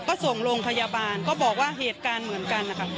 ก็ส่งโรงพยาบาลก็บอกว่าเหตุการณ์เหมือนกันนะครับ